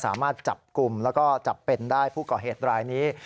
สามารถจับกลุ่มแล้วก็จับเป็นได้ผู้ก่อเหตุรายนี้